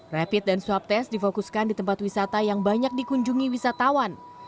rapid dan swab test difokuskan di tempat wisata yang banyak dikunjungi wisatawan